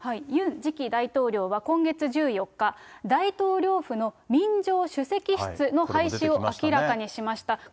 ユン次期大統領は今月１４日、大統領府の民情首席室の廃止を明らかにしました。